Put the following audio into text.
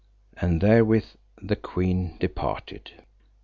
And therewith the queen departed.